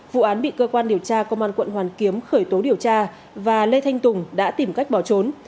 vụ án bị cơ quan điều tra công an quận hoàn kiếm khởi tố điều tra và lê thanh tùng đã tìm cách bỏ trốn